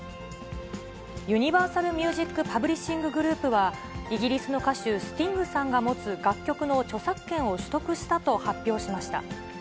ユニバーサル・ミュージック・パブリッシング・グループは、イギリスの歌手、スティングさんが持つ楽曲の著作権を取得したと発表しました。